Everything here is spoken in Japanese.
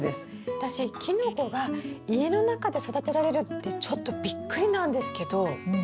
私キノコが家の中で育てられるってちょっとびっくりなんですけど。